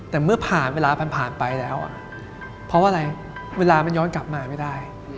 แต่เมื่อผ่านเวลาผ่านไปแล้วเพราะว่าอะไรเวลามันย้อนกลับมาไม่ได้